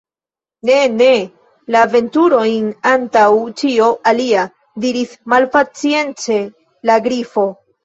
"Ne, ne! la aventurojn antaŭ ĉio alia," diris malpacience la Grifo.